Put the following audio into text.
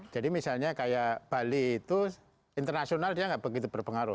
jadi misalnya kayak bali itu internasional dia tidak begitu berpengaruh